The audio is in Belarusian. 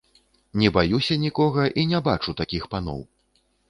Не баюся нікога і не бачу такіх паноў.